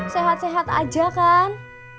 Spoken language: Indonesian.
sehat sehat aja kan